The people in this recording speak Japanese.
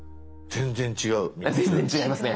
全然違いますね。